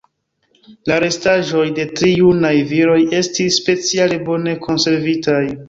La restaĵoj de tri junaj viroj estis speciale bone konservitaj.